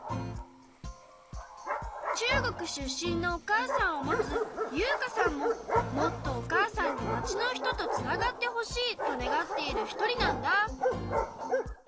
中国出身のお母さんを持つ優華さんももっとお母さんに町の人とつながってほしいと願っている一人なんだ。